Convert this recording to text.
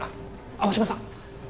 青嶌さん！